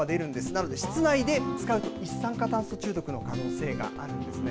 なので室内で使うと、一酸化炭素中毒の可能性があるんですね。